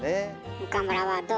岡村はどう？